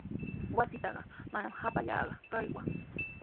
Wasiitrawqa manami hapallaaku kawaa.